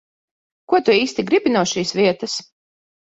Ko tu īsti gribi no šīs vietas?